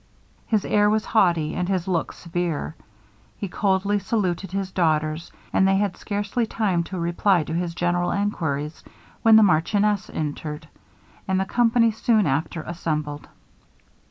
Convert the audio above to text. His air was haughty, and his look severe. He coldly saluted his daughters, and they had scarcely time to reply to his general enquiries, when the marchioness entered, and the company soon after assembled.